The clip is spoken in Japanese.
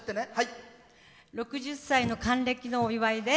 ６０歳の還暦のお祝いです。